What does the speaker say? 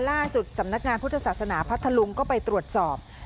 ล่าสุดสำนักงานพุทธศาสนาพัทธลุงก็ไปตรวจสอบ